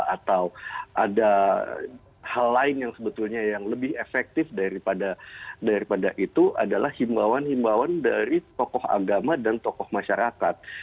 atau ada hal lain yang sebetulnya yang lebih efektif daripada itu adalah himbauan himbauan dari tokoh agama dan tokoh masyarakat